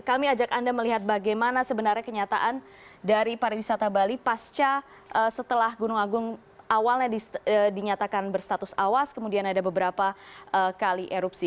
kami ajak anda melihat bagaimana sebenarnya kenyataan dari pariwisata bali pasca setelah gunung agung awalnya dinyatakan berstatus awas kemudian ada beberapa kali erupsi